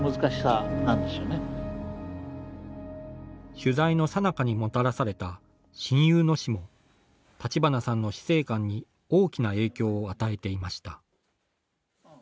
取材のさなかにもたらされた親友の死も立花さんの死生観に大きな影響を与えていました。